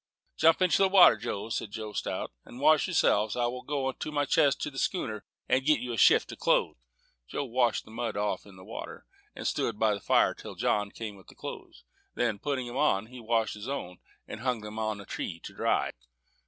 "Jump into the water, Joe," said John Strout, "and wash yourself; and I will go to my chest in the schooner and get you a shift of clothes." Joe washed the mud off in the water, and then stood by the fire till John came with the clothes; then, putting them on, he washed his own, and hung them on a tree to dry.